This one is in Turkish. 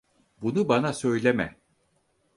Bunu bana söyleme.